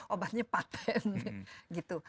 obatnya paten gitu